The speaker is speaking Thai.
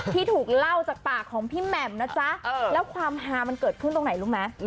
ที่ถูกเล่าจากปากของพี่แหม่มนะจ๊ะแล้วความฮามันเกิดขึ้นตรงไหนรู้ไหม